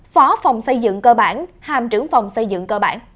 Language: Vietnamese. phó phòng xây dựng cơ bản hàm trưởng phòng xây dựng cơ bản